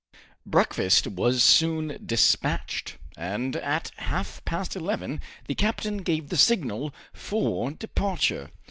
Breakfast was soon despatched, and at half past eleven the captain gave the signal for departure.